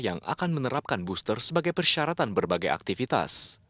yang akan menerapkan booster sebagai persyaratan berbagai aktivitas